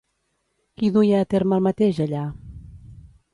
Qui duia a terme el mateix allà?